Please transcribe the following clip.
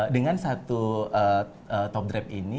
dengan satu top drab ini